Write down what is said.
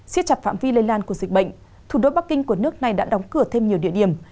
xiết chặt phạm vi lây lan của dịch bệnh thủ đô bắc kinh của nước này đã đóng cửa thêm nhiều địa điểm